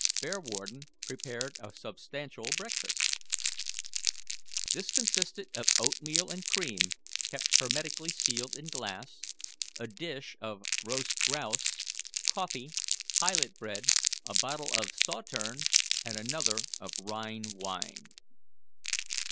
Bearwarden prepared a substantial breakfast. This consisted of oatmeal and cream kept hermetically sealed in glass, a dish of roast grouse, coffee, pilot bread, a bottle of Sauterne, and another of Rhine wine.